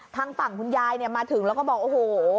ทางฝั่งคุณยายเนี่ยมาถึงแล้วก็บอกโอ้โห